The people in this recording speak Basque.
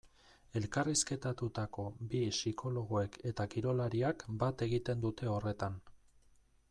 Elkarrizketatutako bi psikologoek eta kirolariak bat egiten dute horretan.